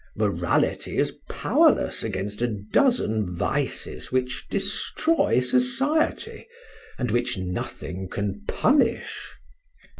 Morality is powerless against a dozen vices which destroy society and which nothing can punish.